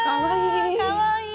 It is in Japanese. かわいい！